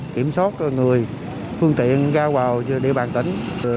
kiểm soát người phương tiện ra vào địa bàn tỉnh